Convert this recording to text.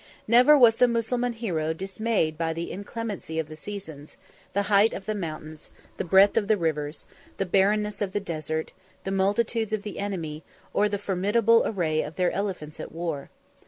Never was the Mussulman hero dismayed by the inclemency of the seasons, the height of the mountains, the breadth of the rivers, the barrenness of the desert, the multitudes of the enemy, or the formidable array of their elephants of war.